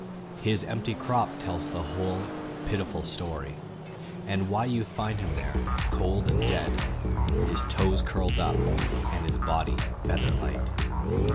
His empty crop tells the whole pitiful story, and why you find him there cold and dead, his toes curled up and his body feather light.